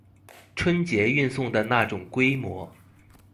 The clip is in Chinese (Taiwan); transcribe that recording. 春節運送的那種規模